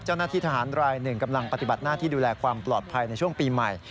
เจ้าหน้าที่ทหารรายหนึ่งกำลังปฏิบัติหน้าที่ดูแลความปลอดภัยในช่วงปีใหม่